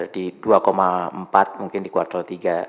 di dua empat mungkin di kuartal tiga